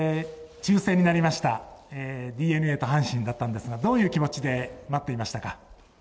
抽選になりました、ＤｅＮＡと阪神だったんですが、どういう気持ちで待っていましたか？